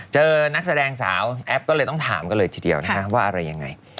นักแสดงสาวแอปก็เลยต้องถามกันเลยทีเดียวนะคะว่าอะไรยังไง